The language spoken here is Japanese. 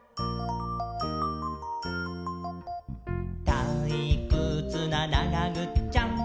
「たいくつな、ながぐっちゃん！！」